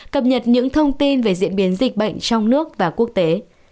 cập nhật những thông tin về diễn biến dịch bệnh trong nước và quốc tế